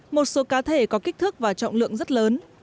một số cá thể có kích thước và trọng lượng rất lớn